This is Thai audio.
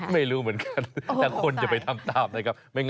ไม่รู้เหมือนกันแต่คนจะไปทำตามนะครับ